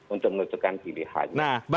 untuk menutupkan pilihan